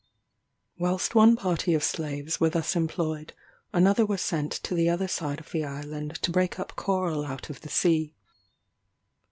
Whilst one party of slaves were thus employed, another were sent to the other side of the island to break up coral out of the sea.